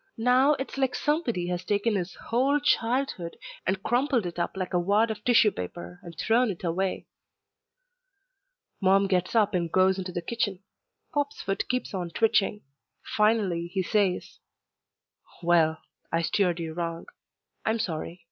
Now it's like somebody has taken his whole childhood and crumpled it up like a wad of tissue paper and thrown it away. Mom gets up and goes into the kitchen. Pop's foot keeps on twitching. Finally he says, "Well, I steered you wrong. I'm sorry.